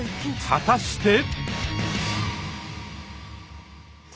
果たして。